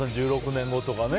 １６年後とかね。